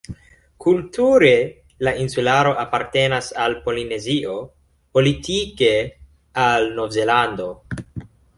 Kulture la insularo apartenas al Polinezio, politike al Nov-Zelando.